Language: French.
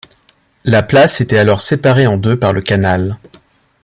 La place était alors séparée en deux par le canal.